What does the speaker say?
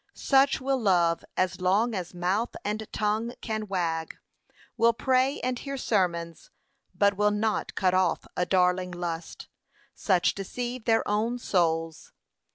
'Such will love as long as mouth and tongue can wag' will pray and hear sermons, but will not cut off a darling lust; such deceive their own souls.